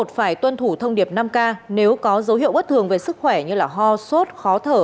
f một phải tuân thủ thông điệp năm k nếu có dấu hiệu bất thường về sức khỏe như ho suốt khó thở